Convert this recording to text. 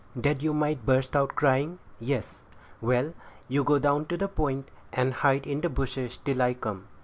"That you might burst out crying?" "Yes." "Well, you go down to the point, and hide in the bushes till I come."